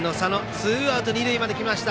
ツーアウトまで来ました。